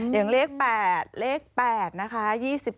อย่างเลขแปดเลขแปดนะคะ